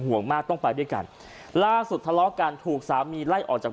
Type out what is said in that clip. ห่วงมากต้องไปด้วยกันล่าสุดทะเลาะกันถูกสามีไล่ออกจาก